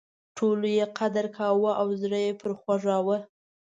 ټولو یې قدر کاوه او زړه یې پر خوږاوه.